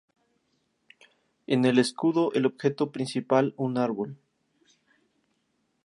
En el escudo el objeto principal un árbol.